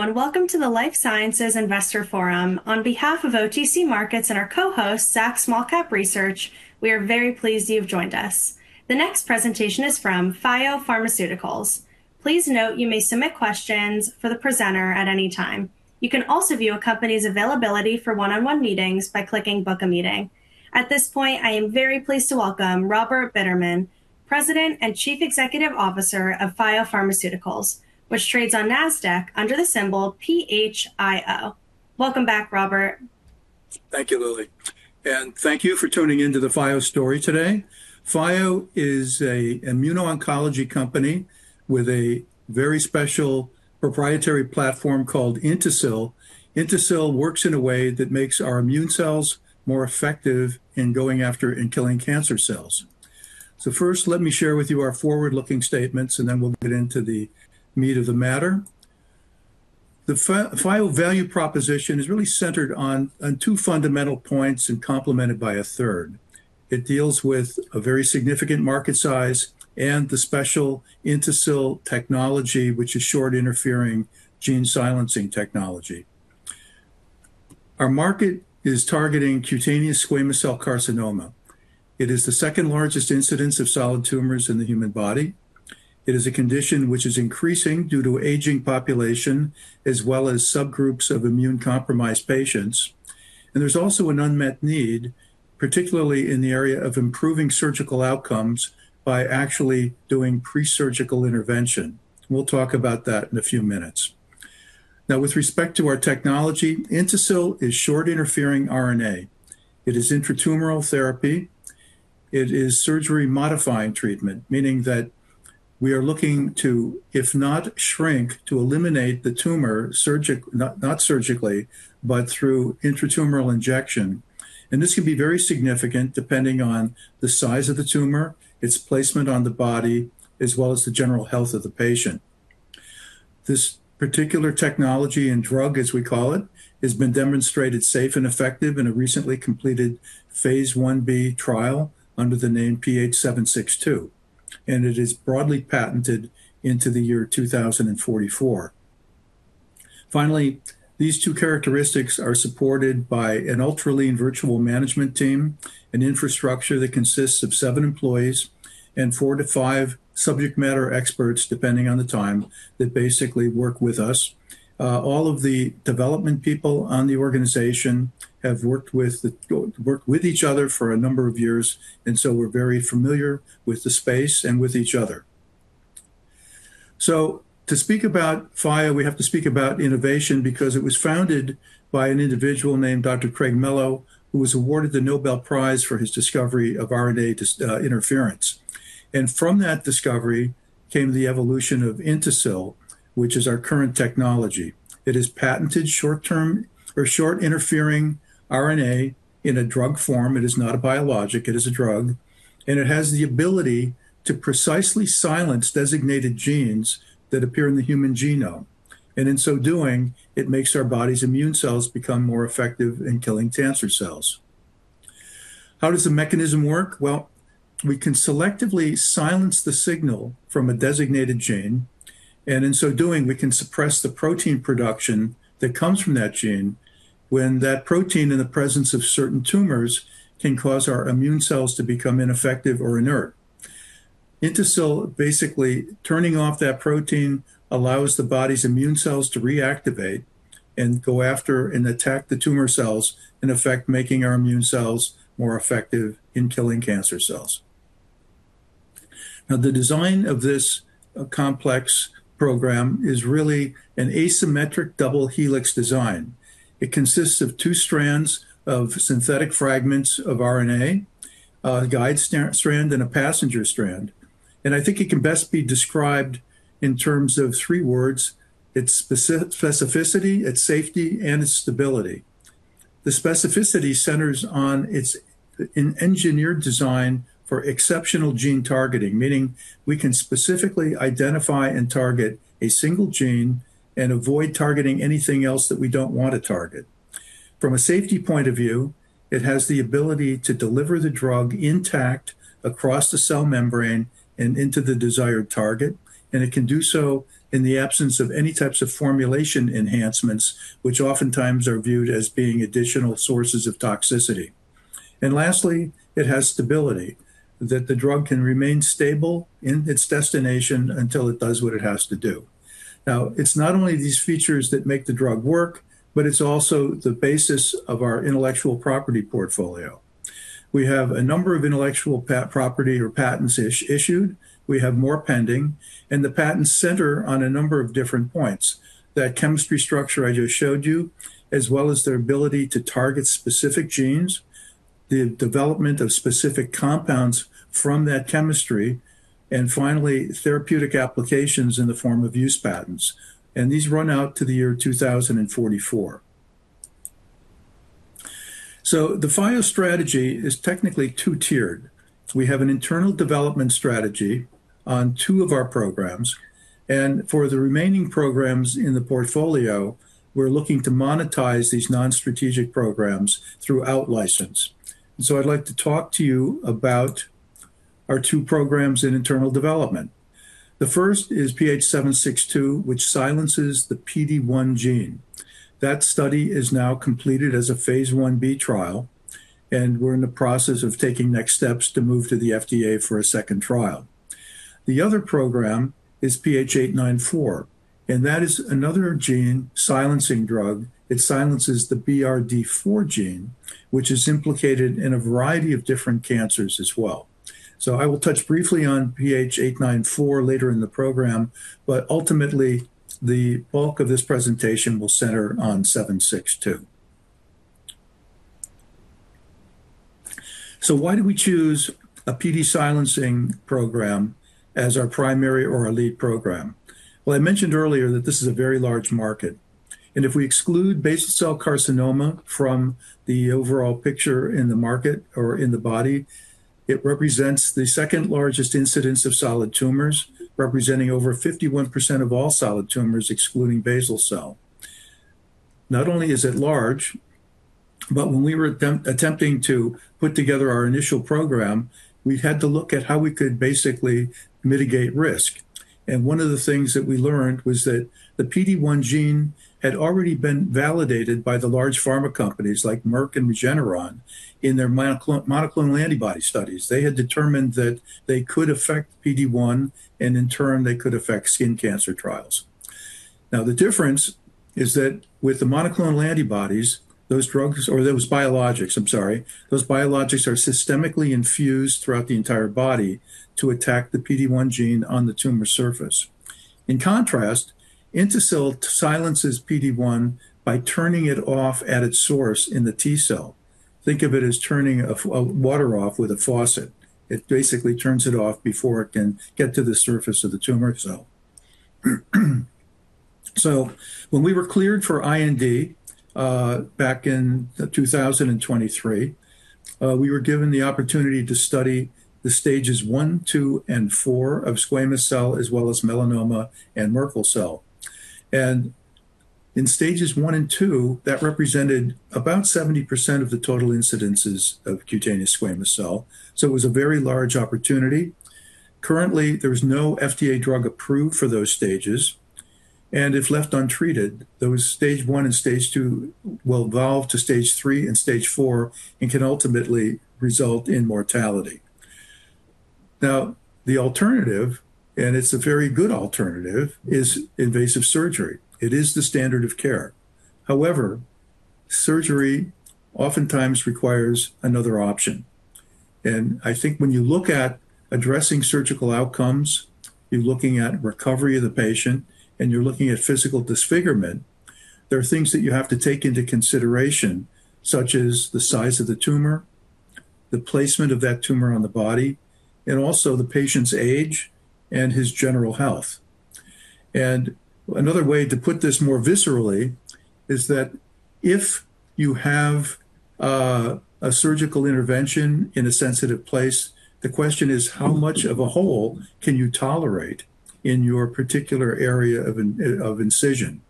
Hello, and welcome to the Life Sciences Investor Forum. On behalf of OTC Markets and our co-host, Zacks Small Cap Research, we are very pleased you've joined us. The next presentation is from Phio Pharmaceuticals. Please note you may submit questions for the presenter at any time. You can also view a company's availability for one-on-one meetings by clicking "book a meeting." At this point, I am very pleased to welcome Robert Bitterman, President and Chief Executive Officer of Phio Pharmaceuticals, which trades on NASDAQ under the symbol PHIO. Welcome back, Robert. Thank you, Lily, and thank you for tuning in to the Phio story today. Phio is an immuno-oncology company with a very special proprietary platform called INTASYL. INTASYL works in a way that makes our immune cells more effective in going after and killing cancer cells. First, let me share with you our forward-looking statements, and then we'll get into the meat of the matter. The Phio value proposition is really centered on two fundamental points and complemented by a third. It deals with a very significant market size and the special INTASYL technology, which is short interfering gene silencing technology. Our market is targeting cutaneous squamous cell carcinoma. It is the second largest incidence of solid tumors in the human body. It is a condition which is increasing due to aging population, as well as subgroups of immune-compromised patients. There's also an unmet need, particularly in the area of improving surgical outcomes by actually doing pre-surgical intervention. We'll talk about that in a few minutes. Now, with respect to our technology, INTASYL is short interfering RNA. It is intratumoral therapy. It is surgery-modifying treatment, meaning that we are looking to, if not shrink, to eliminate the tumor, not surgically, but through intratumoral injection. This can be very significant depending on the size of the tumor, its placement on the body, as well as the general health of the patient. This particular technology and drug, as we call it, has been demonstrated safe and effective in a recently completed phase I-B trial under the name PH-762, and it is broadly patented into the year 2044. Finally, these two characteristics are supported by an ultra-lean virtual management team and infrastructure that consists of seven employees and four to five subject matter experts, depending on the time, that basically work with us. All of the development people on the organization have worked with each other for a number of years, and so we're very familiar with the space and with each other. To speak about Phio, we have to speak about innovation because it was founded by an individual named Dr. Craig Mello, who was awarded the Nobel Prize for his discovery of RNA interference. From that discovery came the evolution of INTASYL, which is our current technology. It is patented short interfering RNA in a drug form. It is not a biologic, it is a drug, and it has the ability to precisely silence designated genes that appear in the human genome. In so doing, it makes our body's immune cells become more effective in killing cancer cells. How does the mechanism work? We can selectively silence the signal from a designated gene, and in so doing, we can suppress the protein production that comes from that gene. When that protein in the presence of certain tumors can cause our immune cells to become ineffective or inert. INTASYL basically turning off that protein allows the body's immune cells to reactivate and go after and attack the tumor cells, in effect making our immune cells more effective in killing cancer cells. The design of this complex program is really an asymmetric double-helix design. It consists of two strands of synthetic fragments of RNA, a guide strand, and a passenger strand. I think it can best be described in terms of three words, its specificity, its safety, and its stability. The specificity centers on its engineered design for exceptional gene targeting, meaning we can specifically identify and target a single gene and avoid targeting anything else that we don't want to target. From a safety point of view, it has the ability to deliver the drug intact across the cell membrane and into the desired target, and it can do so in the absence of any types of formulation enhancements, which oftentimes are viewed as being additional sources of toxicity. Lastly, it has stability that the drug can remain stable in its destination until it does what it has to do. It's not only these features that make the drug work, but it's also the basis of our intellectual property portfolio. We have a number of intellectual property or patents issued. We have more pending. The patents center on a number of different points. That chemistry structure I just showed you, as well as their ability to target specific genes, the development of specific compounds from that chemistry, and finally, therapeutic applications in the form of use patents. These run out to the year 2044. The Phio strategy is technically two-tiered. We have an internal development strategy on two of our programs. For the remaining programs in the portfolio, we're looking to monetize these non-strategic programs through out-license. I'd like to talk to you about our two programs in internal development. The first is PH-762, which silences the PD-1 gene. That study is now completed as a phase I-B trial. We're in the process of taking next steps to move to the FDA for a second trial. The other program is PH-894. That is another gene-silencing drug. It silences the BRD4 gene, which is implicated in a variety of different cancers as well. I will touch briefly on PH-894 later in the program, but ultimately, the bulk of this presentation will center on PH-762. Why do we choose a PD-silencing program as our primary or our lead program? I mentioned earlier that this is a very large market, and if we exclude basal cell carcinoma from the overall picture in the market or in the body, it represents the second largest incidence of solid tumors, representing over 51% of all solid tumors, excluding basal cell. Not only is it large, but when we were attempting to put together our initial program, we've had to look at how we could basically mitigate risk. One of the things that we learned was that the PD-1 gene had already been validated by the large pharma companies like Merck and Regeneron in their monoclonal antibody studies. They had determined that they could affect PD-1, and in turn, they could affect skin cancer trials. The difference is that with the monoclonal antibodies, those drugs, or those biologics, I'm sorry, those biologics are systemically infused throughout the entire body to attack the PD-1 gene on the tumor surface. In contrast, INTASYL silences PD-1 by turning it off at its source in the T-cell. Think of it as turning water off with a faucet. It basically turns it off before it can get to the surface of the tumor cell. When we were cleared for IND, back in 2023, we were given the opportunity to study the Stages 1, 2, and 4 of squamous cell, as well as melanoma and Merkel cell. In Stages 1 and 2, that represented about 70% of the total incidences of cutaneous squamous cell. It was a very large opportunity. Currently, there is no FDA drug approved for those stages, and if left untreated, those Stage 1 and Stage 2 will evolve to Stage 3 and Stage 4 and can ultimately result in mortality. The alternative, and it's a very good alternative, is invasive surgery. It is the standard of care. However, surgery oftentimes requires another option. I think when you look at addressing surgical outcomes, you're looking at recovery of the patient, and you're looking at physical disfigurement. There are things that you have to take into consideration, such as the size of the tumor, the placement of that tumor on the body, and also the patient's age and his general health. Another way to put this more viscerally is that if you have a surgical intervention in a sensitive place, the question is, how much of a hole can you tolerate in your particular area of incision?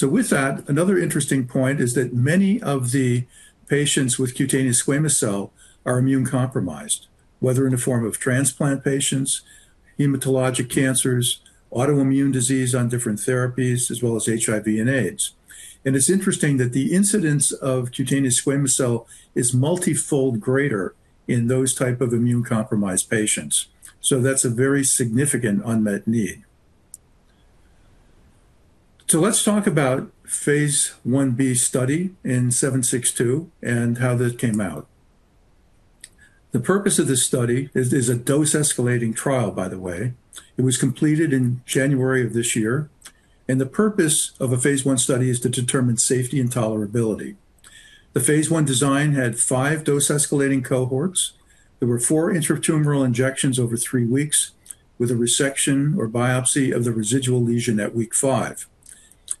With that, another interesting point is that many of the patients with cutaneous squamous cell are immune-compromised, whether in the form of transplant patients, hematologic cancers, autoimmune disease on different therapies, as well as HIV and AIDS. It's interesting that the incidence of cutaneous squamous cell is multifold greater in those type of immune-compromised patients. That's a very significant unmet need. Let's talk about Phase I-B study in 762 and how that came out. The purpose of this study is a dose escalating trial, by the way. It was completed in January of this year, and the purpose of a Phase I study is to determine safety and tolerability. The Phase I design had five dose escalating cohorts. There were four intratumoral injections over three weeks with a resection or biopsy of the residual lesion at week five.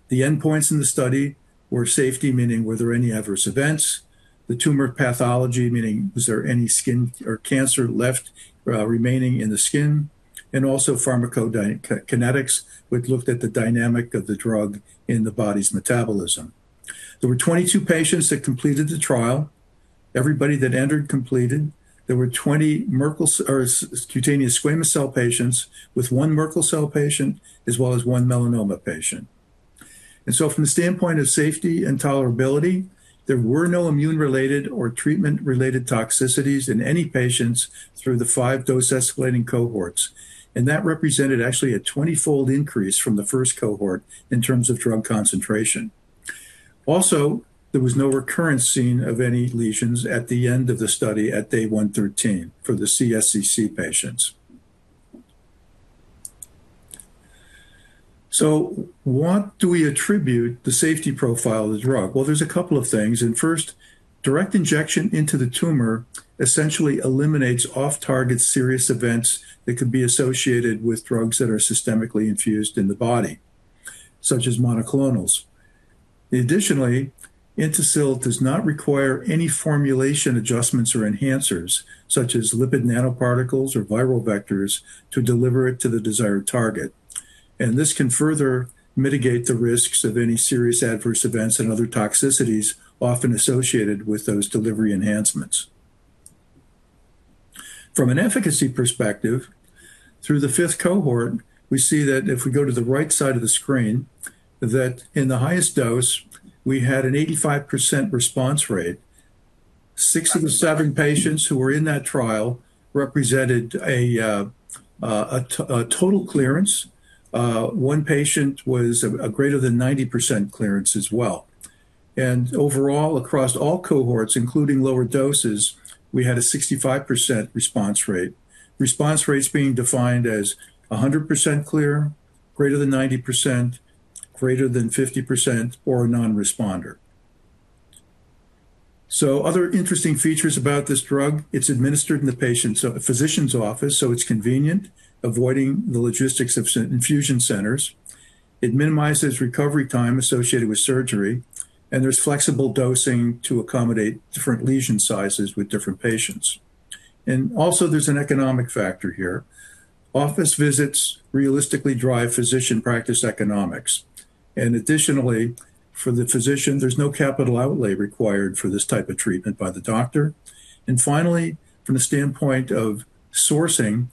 The endpoints in the study were safety, meaning were there any adverse events, the tumor pathology, meaning was there any skin or cancer left remaining in the skin, and also pharmacokinetics, which looked at the dynamic of the drug in the body's metabolism. There were 22 patients that completed the trial. Everybody that entered, completed. There were 20 cutaneous squamous cell patients with one Merkel cell patient as well as one melanoma patient. From the standpoint of safety and tolerability, there were no immune-related or treatment-related toxicities in any patients through the five dose escalating cohorts, that represented actually a 20-fold increase from the first cohort in terms of drug concentration. Also, there was no recurrence seen of any lesions at the end of the study at day 113 for the CSCC patients. What do we attribute the safety profile of the drug? There's a couple of things. Direct injection into the tumor essentially eliminates off-target serious events that could be associated with drugs that are systemically infused in the body, such as monoclonals. Additionally, INTASYL does not require any formulation adjustments or enhancers, such as lipid nanoparticles or viral vectors, to deliver it to the desired target. This can further mitigate the risks of any serious adverse events and other toxicities often associated with those delivery enhancements. From an efficacy perspective, through the fifth cohort, we see that if we go to the right side of the screen, that in the highest dose, we had an 85% response rate. Six of the seven patients who were in that trial represented a total clearance. One patient was a greater than 90% clearance as well. Overall, across all cohorts, including lower doses, we had a 65% response rate, response rates being defined as 100% clear, greater than 90%, greater than 50%, or non-responder. Other interesting features about this drug, it's administered in the physician's office, it's convenient, avoiding the logistics of infusion centers. It minimizes recovery time associated with surgery, and there's flexible dosing to accommodate different lesion sizes with different patients. Also, there's an economic factor here. Office visits realistically drive physician practice economics. Additionally, for the physician, there's no capital outlay required for this type of treatment by the doctor. Finally, from the standpoint of sourcing,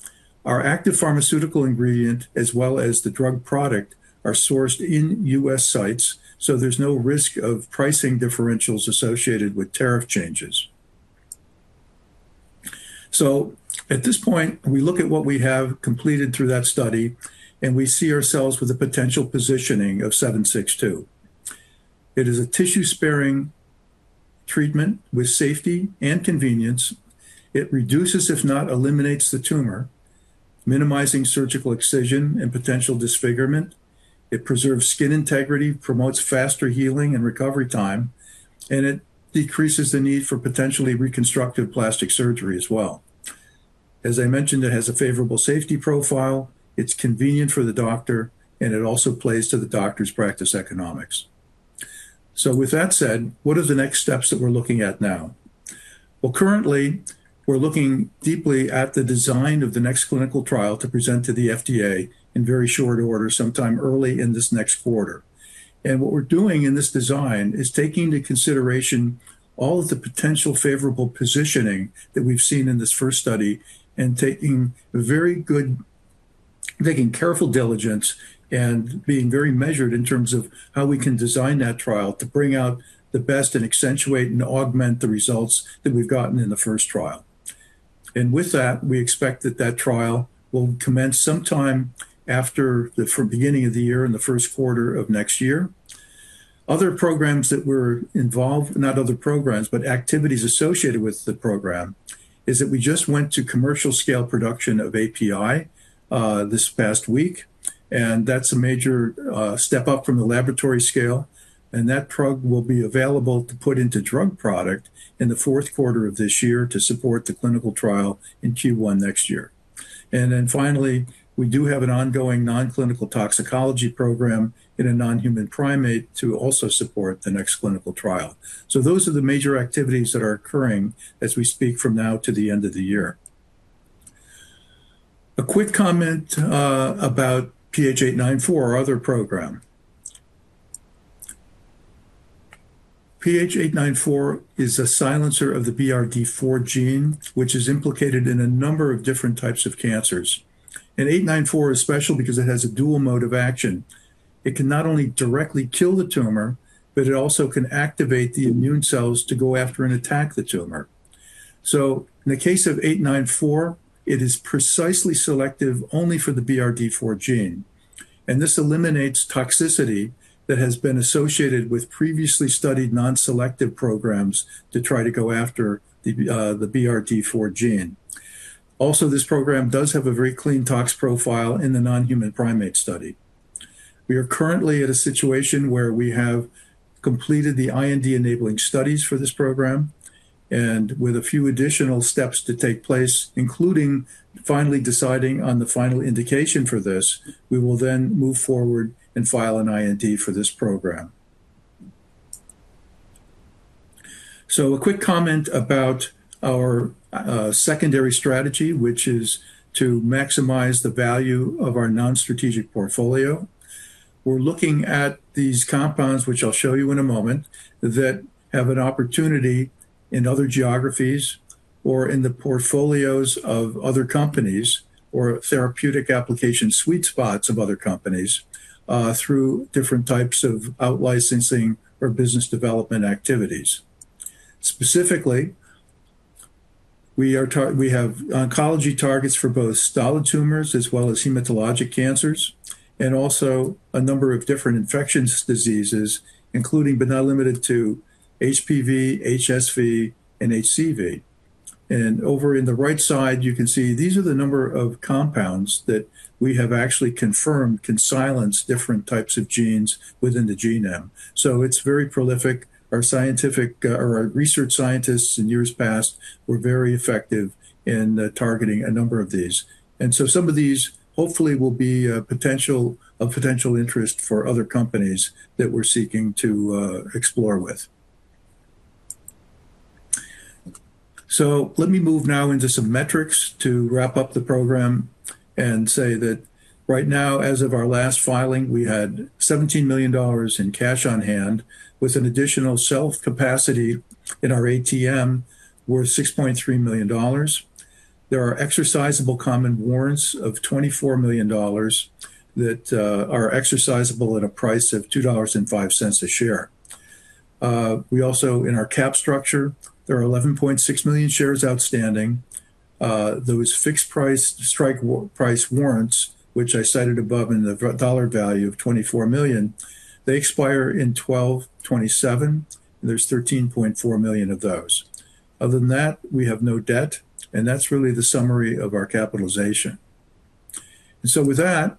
our active pharmaceutical ingredient as well as the drug product are sourced in U.S. sites, so there's no risk of pricing differentials associated with tariff changes. At this point, we look at what we have completed through that study, and we see ourselves with a potential positioning of 762. It is a tissue-sparing treatment with safety and convenience. It reduces, if not eliminates, the tumor, minimizing surgical excision and potential disfigurement. It preserves skin integrity, promotes faster healing and recovery time, and it decreases the need for potentially reconstructive plastic surgery as well. As I mentioned, it has a favorable safety profile. It's convenient for the doctor, and it also plays to the doctor's practice economics. With that said, what are the next steps that we're looking at now? Currently, we're looking deeply at the design of the next clinical trial to present to the FDA in very short order, sometime early in this next quarter. What we're doing in this design is taking into consideration all of the potential favorable positioning that we've seen in this first study, and taking careful diligence and being very measured in terms of how we can design that trial to bring out the best and accentuate and augment the results that we've gotten in the first trial. With that, we expect that trial will commence sometime after the beginning of the year in the first quarter of next year. Other programs that we're involved, not other programs, but activities associated with the program, is that we just went to commercial scale production of API this past week, and that's a major step up from the laboratory scale. That drug will be available to put into drug product in the fourth quarter of this year to support the clinical trial in Q1 next year. Finally, we do have an ongoing non-clinical toxicology program in a non-human primate to also support the next clinical trial. Those are the major activities that are occurring as we speak from now to the end of the year. A quick comment about PH-894, our other program. PH-894 is a silencer of the BRD4 gene, which is implicated in a number of different types of cancers. 894 is special because it has a dual mode of action. It can not only directly kill the tumor, but it also can activate the immune cells to go after and attack the tumor. In the case of 894, it is precisely selective only for the BRD4 gene, and this eliminates toxicity that has been associated with previously studied non-selective programs to try to go after the BRD4 gene. Also, this program does have a very clean tox profile in the non-human primate study. We are currently at a situation where we have completed the IND enabling studies for this program, and with a few additional steps to take place, including finally deciding on the final indication for this, we will then move forward and file an IND for this program. A quick comment about our secondary strategy, which is to maximize the value of our non-strategic portfolio. We're looking at these compounds, which I'll show you in a moment, that have an opportunity in other geographies or in the portfolios of other companies, or therapeutic application sweet spots of other companies, through different types of out-licensing or business development activities. Specifically, we have oncology targets for both solid tumors as well as hematologic cancers, and also a number of different infectious diseases, including but not limited to HPV, HSV, and HCV. Over in the right side, you can see these are the number of compounds that we have actually confirmed can silence different types of genes within the genome. It's very prolific. Our research scientists in years past were very effective in targeting a number of these. Some of these hopefully will be of potential interest for other companies that we're seeking to explore with. Let me move now into some metrics to wrap up the program and say that right now, as of our last filing, we had $17 million in cash on hand, with an additional self-capacity in our ATM worth $6.3 million. There are exercisable common warrants of $24 million that are exercisable at a price of $2.05 a share. We also, in our cap structure, there are 11.6 million shares outstanding. Those fixed price strike price warrants, which I cited above in the dollar value of $24 million, they expire in 12/2027, and there's 13.4 million of those. Other than that, we have no debt, and that's really the summary of our capitalization. With that,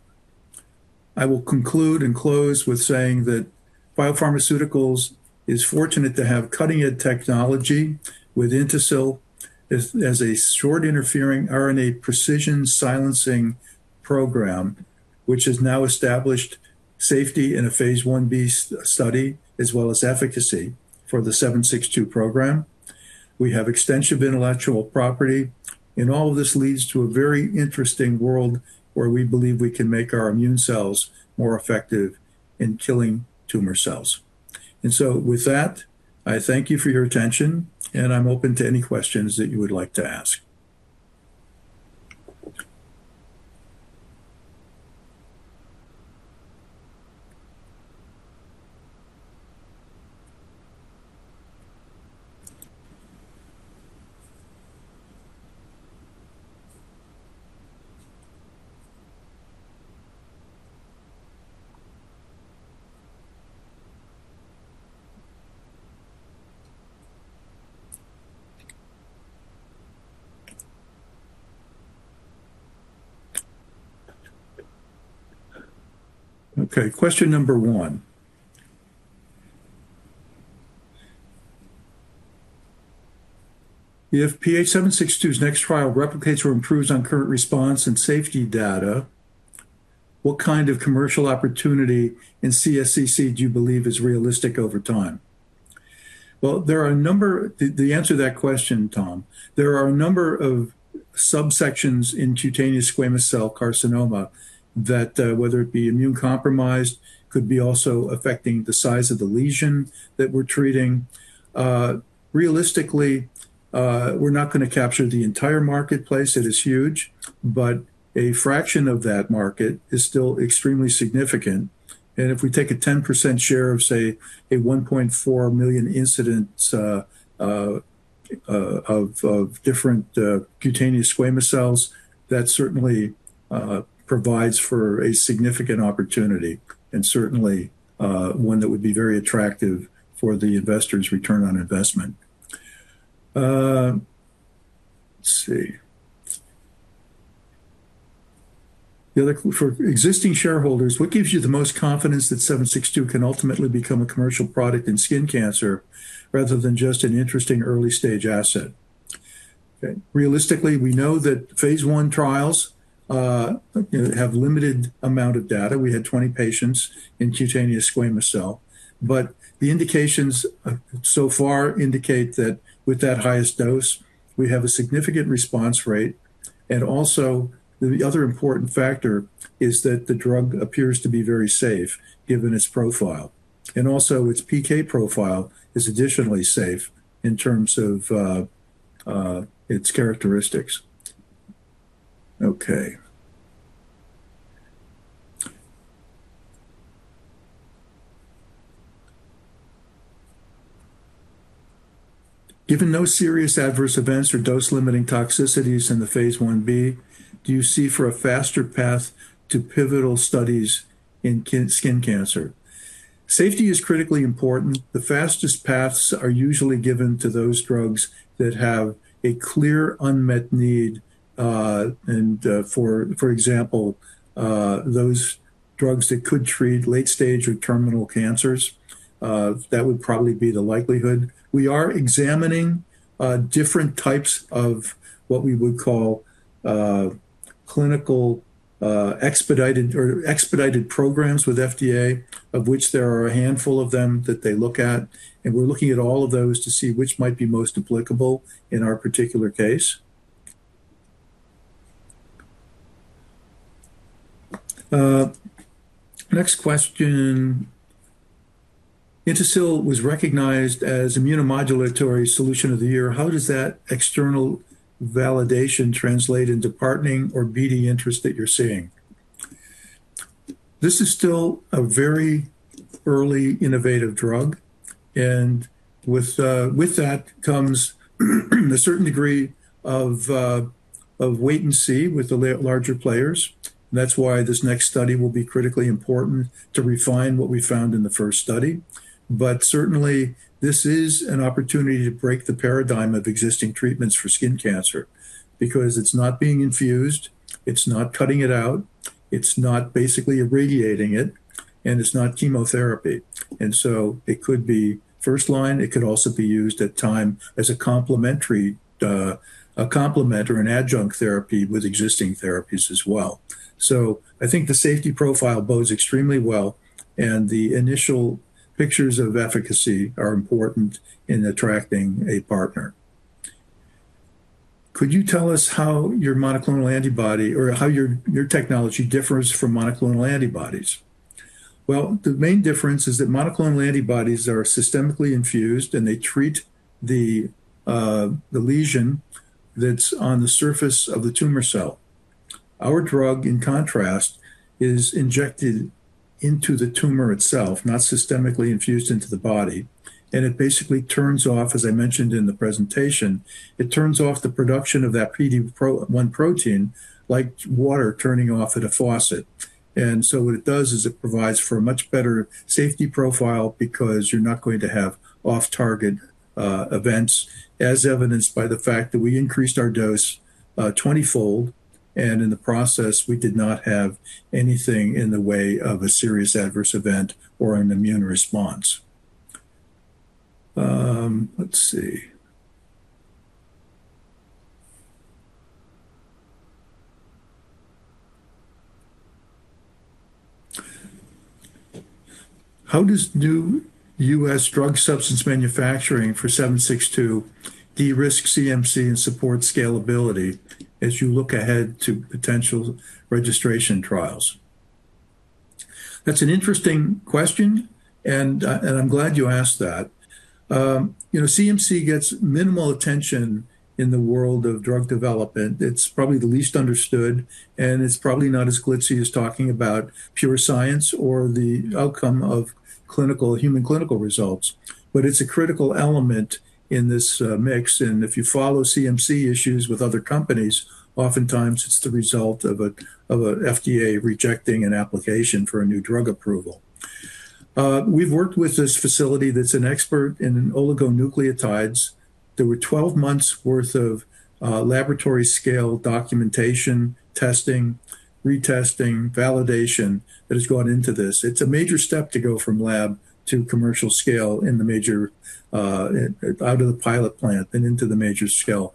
I will conclude and close with saying that Phio Pharmaceuticals is fortunate to have cutting-edge technology with INTASYL as a short interfering RNA precision silencing program, which has now established safety in a phase I-B study, as well as efficacy for the 762 program. We have extensive intellectual property, and all of this leads to a very interesting world where we believe we can make our immune cells more effective in killing tumor cells. With that, I thank you for your attention, and I'm open to any questions that you would like to ask. Question number one. If PH-762's next trial replicates or improves on current response and safety data, what kind of commercial opportunity in CSCC do you believe is realistic over time? To answer that question, Tom, there are a number of subsections in cutaneous squamous cell carcinoma that, whether it be immune compromised, could be also affecting the size of the lesion that we're treating. Realistically, we're not going to capture the entire marketplace. It is huge, but a fraction of that market is still extremely significant. If we take a 10% share of, say, 1.4 million incidents of different cutaneous squamous cells, that certainly provides for a significant opportunity and certainly one that would be very attractive for the investor's return on investment. Let's see. For existing shareholders, what gives you the most confidence that 762 can ultimately become a commercial product in skin cancer rather than just an interesting early-stage asset? Realistically, we know that phase I trials have limited amount of data. We had 20 patients in cutaneous squamous cell carcinoma. The indications so far indicate that with that highest dose, we have a significant response rate. Also, the other important factor is that the drug appears to be very safe given its profile. Also, its PK profile is additionally safe in terms of its characteristics. Given no serious adverse events or dose-limiting toxicities in the phase I-B, do you see for a faster path to pivotal studies in skin cancer? Safety is critically important. The fastest paths are usually given to those drugs that have a clear unmet need. For example, those drugs that could treat late stage or terminal cancers, that would probably be the likelihood. We are examining different types of what we would call clinical expedited or expedited programs with FDA, of which there are a handful of them that they look at, and we're looking at all of those to see which might be most applicable in our particular case. Next question. INTASYL was recognized as Immunomodulatory Solution of the Year. How does that external validation translate into partnering or BD interest that you're seeing? This is still a very early innovative drug, and with that comes a certain degree of wait and see with the larger players. That's why this next study will be critically important to refine what we found in the first study. Certainly, this is an opportunity to break the paradigm of existing treatments for skin cancer because it's not being infused, it's not cutting it out, it's not basically irradiating it, and it's not chemotherapy. It could be first line. It could also be used at time as a complement or an adjunct therapy with existing therapies as well. I think the safety profile bodes extremely well, and the initial pictures of efficacy are important in attracting a partner. Could you tell us how your monoclonal antibody or how your technology differs from monoclonal antibodies? Well, the main difference is that monoclonal antibodies are systemically infused, and they treat the lesion that's on the surface of the tumor cell. Our drug, in contrast, is injected into the tumor itself, not systemically infused into the body. It basically turns off, as I mentioned in the presentation, it turns off the production of that PD-L1 protein like water turning off at a faucet. What it does is it provides for a much better safety profile because you're not going to have off-target events, as evidenced by the fact that we increased our dose 20-fold, and in the process, we did not have anything in the way of a serious adverse event or an immune response. Let's see. How does new U.S. drug substance manufacturing for PH-762 de-risk CMC and support scalability as you look ahead to potential registration trials? That's an interesting question, and I'm glad you asked that. CMC gets minimal attention in the world of drug development. It's probably the least understood, and it's probably not as glitzy as talking about pure science or the outcome of human clinical results. It's a critical element in this mix, and if you follow CMC issues with other companies, oftentimes it's the result of an FDA rejecting an application for a new drug approval. We've worked with this facility that's an expert in oligonucleotides. There were 12 months worth of laboratory scale documentation, testing, retesting, validation that has gone into this. It's a major step to go from lab to commercial scale in the major out of the pilot plant and into the major scale.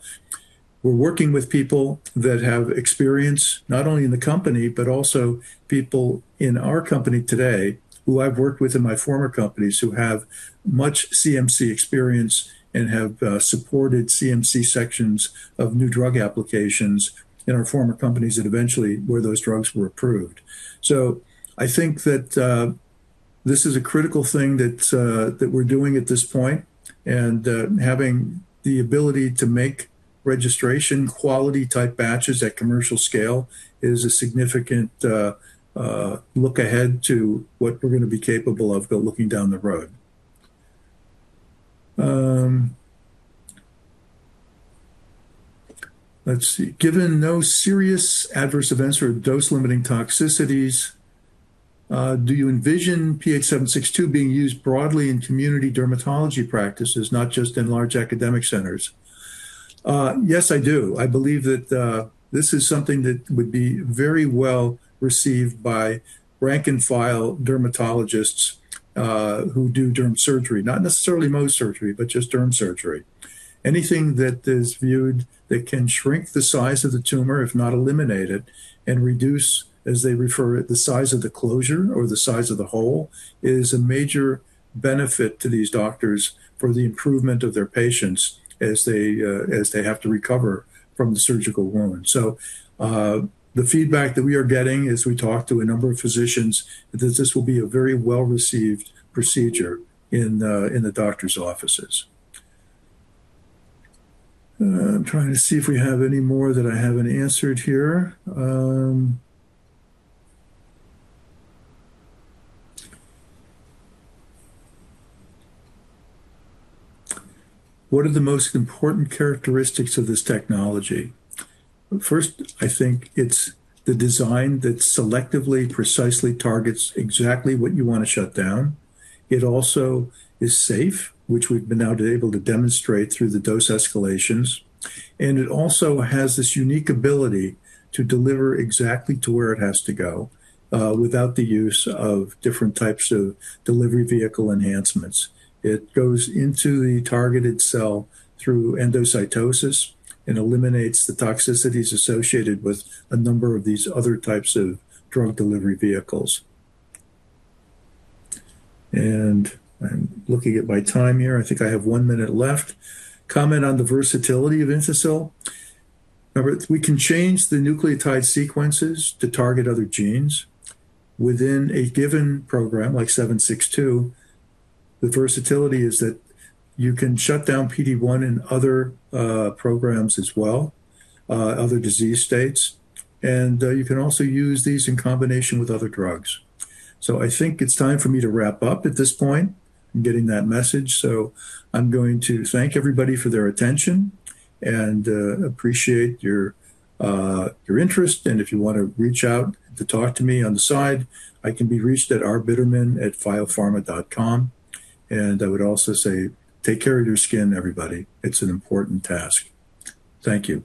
We're working with people that have experience not only in the company, but also people in our company today who I've worked with in my former companies who have much CMC experience and have supported CMC sections of new drug applications in our former companies that eventually where those drugs were approved. I think that this is a critical thing that we're doing at this point. Having the ability to make registration quality type batches at commercial scale is a significant look ahead to what we're going to be capable of looking down the road. Let's see. Given no serious adverse events or dose-limiting toxicities, do you envision PH-762 being used broadly in community dermatology practices, not just in large academic centers? Yes, I do. I believe that this is something that would be very well received by rank-and-file dermatologists who do derm surgery. Not necessarily Mohs surgery, but just derm surgery. Anything that is viewed that can shrink the size of the tumor, if not eliminate it, and reduce, as they refer, the size of the closure or the size of the hole, is a major benefit to these doctors for the improvement of their patients as they have to recover from the surgical wound. The feedback that we are getting as we talk to a number of physicians, that this will be a very well-received procedure in the doctor's offices. I'm trying to see if we have any more that I haven't answered here. What are the most important characteristics of this technology? First, I think it's the design that selectively, precisely targets exactly what you want to shut down. It also is safe, which we've been now able to demonstrate through the dose escalations. It also has this unique ability to deliver exactly to where it has to go without the use of different types of delivery vehicle enhancements. It goes into the targeted cell through endocytosis and eliminates the toxicities associated with a number of these other types of drug delivery vehicles. I'm looking at my time here. I think I have one minute left. Comment on the versatility of INTASYL. Remember, we can change the nucleotide sequences to target other genes within a given program like 762. The versatility is that you can shut down PD-1 and other programs as well, other disease states, and you can also use these in combination with other drugs. I think it's time for me to wrap up at this point. I'm getting that message. I'm going to thank everybody for their attention and appreciate your interest. If you want to reach out to talk to me on the side, I can be reached at rbitterman@phioparmma.com. I would also say take care of your skin, everybody. It's an important task. Thank you.